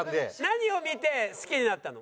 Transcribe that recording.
何を見て好きになったの？